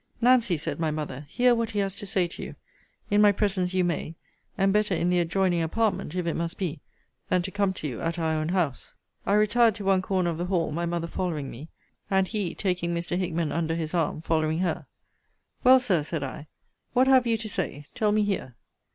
Nancy, said my mother, hear what he has to say to you. In my presence you may: and better in the adjoining apartment, if it must be, than to come to you at our own house. I retired to one corner of the hall, my mother following me, and he, taking Mr. Hickman under his arm, following her Well, Sir, said I, what have you to say? Tell me here.